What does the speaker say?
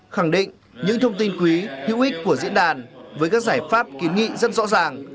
khẳng định những thông tin quý hữu ích của diễn đàn với các giải pháp kiến nghị rất rõ ràng